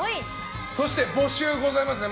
そして、募集ございますね。